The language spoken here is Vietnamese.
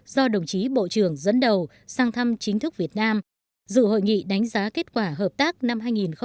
do đồng chí bộ trưởng dẫn đầu sang thăm chính thức việt nam dự hội nghị đánh giá kết quả hợp tác năm hai nghìn một mươi chín